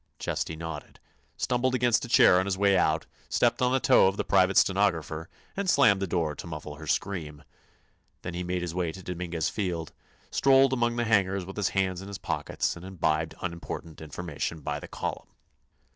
Chesty nodded; stumbled against a chair on his way out; stepped on the toe of the private stenographer and slammed the door to muffle her scream. Then he made his way to Dominguez Field; strolled among the hangars with his hands in his pockets and imbibed unimportant information by the column.